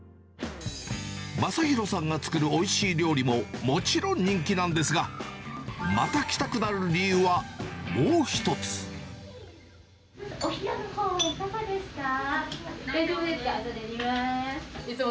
昌宏さんが作るおいしい料理ももちろん人気なんですが、また来たくなる理由は、もう一つ。